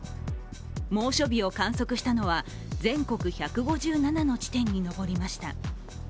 猛暑日を観測したのは全国１５７の地点に上りました。